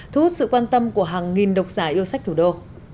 thu hút sự quan tâm của hàng nghìn đọc giả yêu sách thủ đô